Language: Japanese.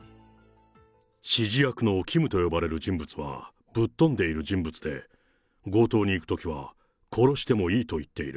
指示役のＫＩＭと呼ばれる人物は、ぶっとんでいる人物で、強盗に行くときは、殺してもいいと言っている。